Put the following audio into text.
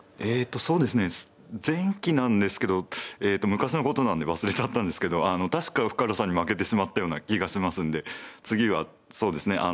えとそうですね前期なんですけど昔のことなんで忘れちゃったんですけど確か深浦さんに負けてしまったような気がしますんで次はそうですね